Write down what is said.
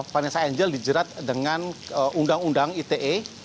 vanessa angel dijerat dengan undang undang ite